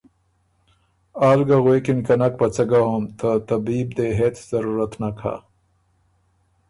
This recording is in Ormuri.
آل غوېکِن که ”نک په څۀ ګۀ هوم، ته طبیب دې هېڅ ضرورت نک هۀ“